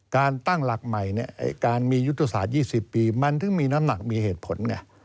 การตั้งหลักใหม่การมียุทธศาสตร์๒๐ปีมันถึงมีน้ำหนักมีเหตุผลไง